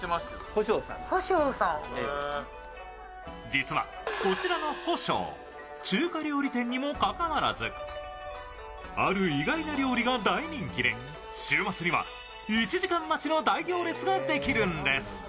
実はこちらの保昌中華料理店にもかかわらずある意外な料理が大人気で週末には１時間待ちの大行列ができるんです。